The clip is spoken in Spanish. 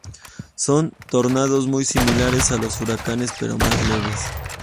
Son tornados muy similares a los huracanes pero más leves.